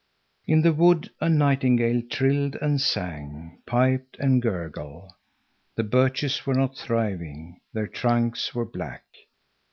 In the wood a nightingale trilled and sang, piped and gurgled. The birches were not thriving, their trunks were black.